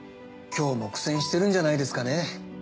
今日も苦戦してるんじゃないですかね。